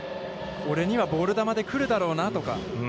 俺にはボール球で来るだろうなとか。